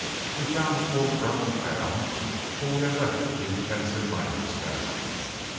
We found a full grown town where we had left a few tents and miners' cabins.